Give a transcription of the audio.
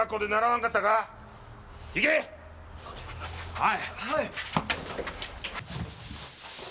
はい。